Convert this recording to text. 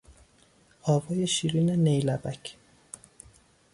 آوای شیرین نیلبک